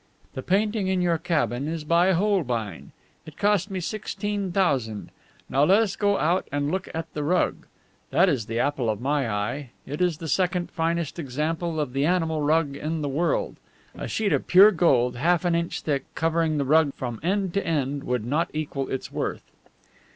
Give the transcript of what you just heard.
"The painting in your cabin is by Holbein. It cost me sixteen thousand. Now let us go out and look at the rug. That is the apple of my eye. It is the second finest example of the animal rug in the world. A sheet of pure gold, half an inch thick, covering the rug from end to end, would not equal its worth."